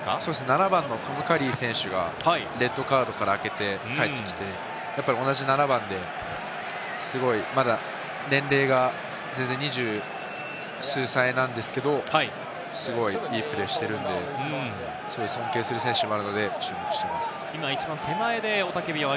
７番のトム・カリー選手がレッドカードから明けて帰ってきて、同じ７番ですごい、まだ年齢が２０数歳なんですけど、すごいいいプレーしてるんで、尊敬する選手でもあるので注目してます。